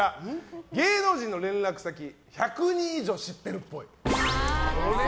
芸能人の連絡先１００人以上知ってるっぽい。